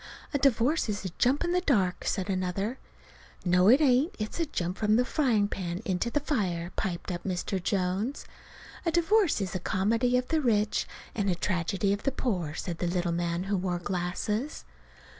"A divorce is a jump in the dark," said another. "No, it ain't. It's a jump from the frying pan into the fire," piped up Mr. Jones. "A divorce is the comedy of the rich and the tragedy of the poor," said a little man who wore glasses.